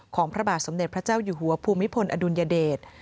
พระบาทสมเด็จพระเจ้าอยู่หัวภูมิพลอดุลยเดช